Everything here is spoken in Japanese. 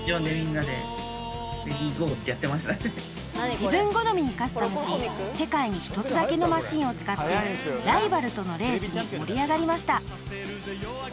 ［自分好みにカスタムし世界に一つだけのマシンを使ってライバルとのレースに盛り上がりました］